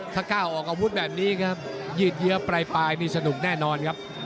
ถ้าก้าวออกอาวุธแบบนี้ครับยืดเยอะปลายนี่สนุกแน่นอนครับ